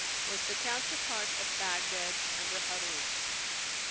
was the counterpart of Bagdad under Harun.